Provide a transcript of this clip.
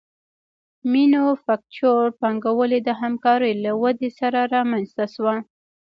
مینوفکچور پانګوالي د همکارۍ له ودې سره رامنځته شوه